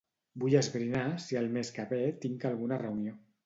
Vull esbrinar si el mes que ve tinc alguna reunió.